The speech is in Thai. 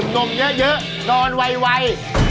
นมเยอะเยอะนอนวัยวัย